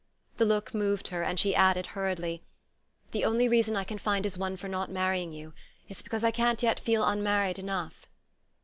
The look moved her, and she added hurriedly: "The only reason I can find is one for not marrying you. It's because I can't yet feel unmarried enough."